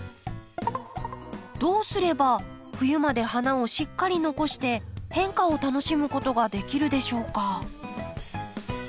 どうすれば冬まで花をしっかり残して変化を楽しむことができるでしょうか？